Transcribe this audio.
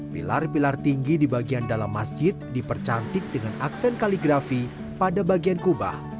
pilar pilar tinggi di bagian dalam masjid dipercantik dengan aksen kaligrafi pada bagian kubah